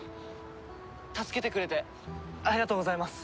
助けてくれてありがとうございます！